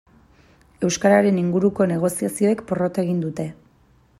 Euskararen inguruko negoziazioek porrot egin dute.